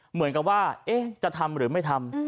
เหมือนกับว่าจะทำหรือไม่ทำ